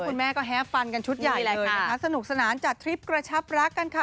คุณแม่ก็แฮปฟันกันชุดใหญ่เลยนะคะสนุกสนานจัดทริปกระชับรักกันค่ะ